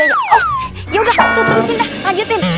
oh yaudah tuturin dah lanjutin